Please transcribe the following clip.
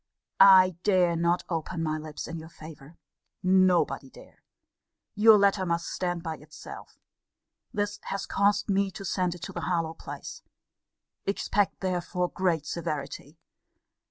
I dare not open my lips in your favour. Nobody dare. Your letter must stand by itself. This has caused me to send it to Harlowe place. Expect therefore great severity.